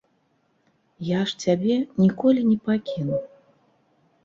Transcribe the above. Я ж цябе ніколі не пакіну.